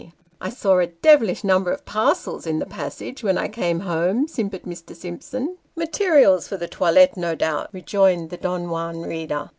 " I saw a devilish number of parcels in the passage when I came home," simpered Mr. Simpson. " Materials for the toilet, no doubt," rejoined the Don Juan reader.